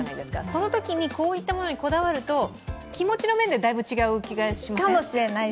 そのときにこういったもにこだわると気持ちの面でだいぶ違う気がしません？